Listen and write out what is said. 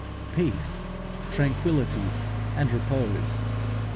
Peace, tranquillity, and repose.